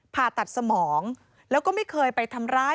ผ่าตัดสมองแล้วก็ไม่เคยไปทำร้าย